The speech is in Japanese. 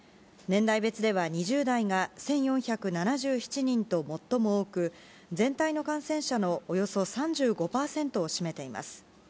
年代別では２０代が１４７７人と最も多く全体の感染者のおよそ３５％を占めています。